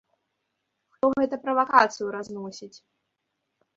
Хто гэта правакацыю разносіць.